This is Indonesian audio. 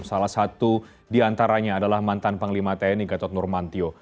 salah satu diantaranya adalah mantan panglima tni gatot nurmantio